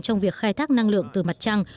trong việc khai thác năng lượng từ mặt trăng